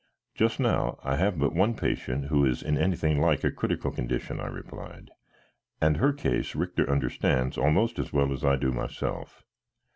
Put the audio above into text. "Just now I have but one patient who is in anything like a critical condition," I replied, "and her case Richter understands almost as well as I do myself.